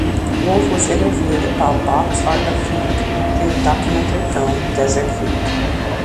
Wolff was interviewed about Bach's Art of Fugue in the documentary film Desert Fugue.